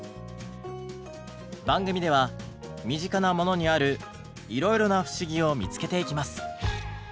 番組では身近なものにあるいろいろな不思議を見つけていきます。